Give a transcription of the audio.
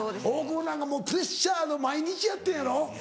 大久保なんかもうプレッシャーの毎日やってんやろ。